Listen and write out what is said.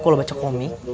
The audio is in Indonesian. kalau baca komik